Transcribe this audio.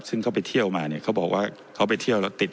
ซึ่งเขาไปเที่ยวมาเนี่ยเขาบอกว่าเขาไปเที่ยวแล้วติด